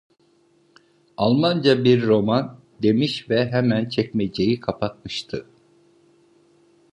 Almanca bir roman! demiş ve hemen çekmeceyi kapatmıştı.